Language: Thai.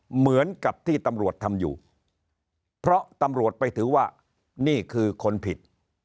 เหมือนกับที่ตำรวจทำอยู่เพราะตำรวจไปถือว่านี่คือคนผิด